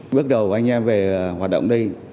bước đầu anh em về hoạt động đây